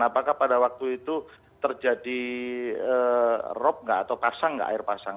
apakah pada waktu itu terjadi rop nggak atau pasang nggak air pasang